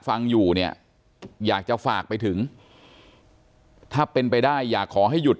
ฟังอยู่เนี่ยอยากจะฝากไปถึงถ้าเป็นไปได้อยากขอให้หยุด